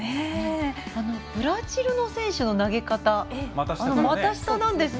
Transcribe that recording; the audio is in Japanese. ブラジルの選手の投げ方股下なんですね。